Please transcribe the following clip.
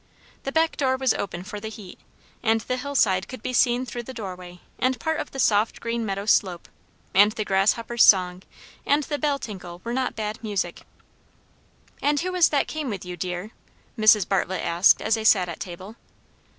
The back door was open for the heat; and the hill side could be seen through the doorway and part of the soft green meadow slope; and the grasshopper's song and the bell tinkle were not bad music. "And who was that came with you, dear?" Mrs. Bartlett asked as they sat at table.